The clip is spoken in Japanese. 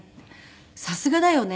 さすがだよね」